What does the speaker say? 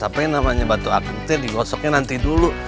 tapi namanya batu api t digosoknya nanti dulu